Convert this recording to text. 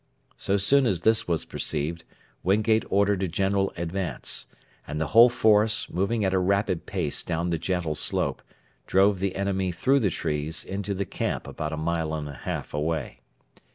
So soon as this was perceived Wingate ordered a general advance; and the whole force, moving at a rapid pace down the gentle slope, drove the enemy through the trees into the camp about a mile and a half away.